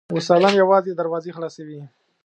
استادان یوازې دروازې خلاصوي .